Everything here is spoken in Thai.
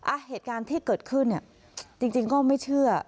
อ่ะเหตุการณ์ที่เกิดขึ้นเนี่ยจริงก็ไม่เชื่อ